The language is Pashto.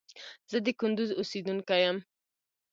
زه د کندوز اوسیدونکي یم